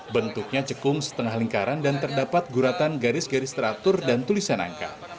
bentuknya cekung setengah lingkaran dan terdapat guratan garis garis teratur dan tulisan angka